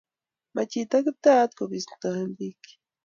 ma chito kiptayat kobisto biikchich